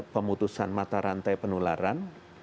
pemutusan mata rantai penularan